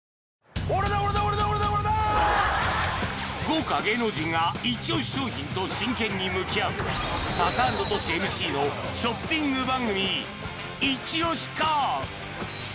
豪華芸能人がイチ押し商品と真剣に向き合うタカアンドトシＭＣのショッピング番組「イチ押しかっ！」